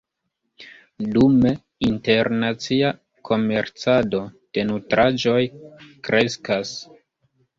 Dume, internacia komercado de nutraĵoj kreskas.